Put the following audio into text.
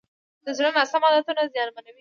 د زړه ناسم عادتونه زیانمنوي.